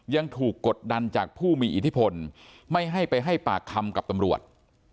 ยังถูกกดดันจากผู้มีอิทธิพลไม่ให้ไปให้ปากคำกับตำรวจ